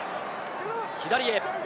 左へ。